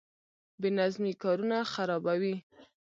بې نظمي کارونه خرابوي